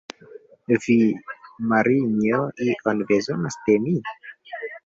Vi, Marinjo, ion bezonas de mi?